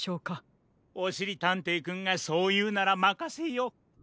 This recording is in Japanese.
おしりたんていくんがそういうならまかせよう。